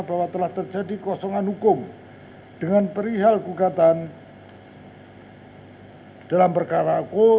bahwa telah terjadi kosongan hukum dengan perihal gugatan dalam perkara aku